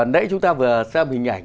nãy chúng ta vừa xem hình ảnh